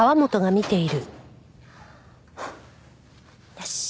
よし。